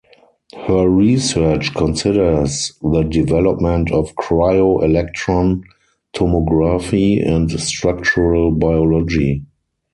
Her research considers the development of Cryo Electron Tomography and structural biology.